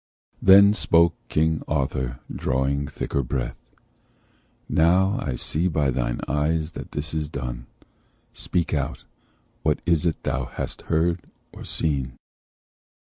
Then spoke King Arthur, drawing thicker breath: "Now see I by thine eyes that this is done. Speak out: what is it thou hast heard, or seen?"